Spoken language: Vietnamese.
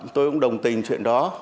tôi cũng đồng tình chuyện đó